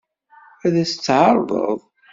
Ad as-tt-tɛeṛḍeḍ?